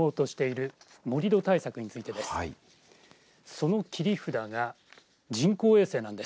その切り札が人工衛星なんです。